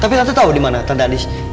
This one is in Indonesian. tapi tante tau dimana tante andis sekarang